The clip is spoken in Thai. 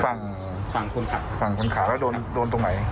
ฝั่งฝั่งคุณขับฝั่งคุณขับแล้วโดนตรงไหน